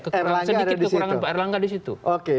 sedikit kekurangan pak erlangga disitu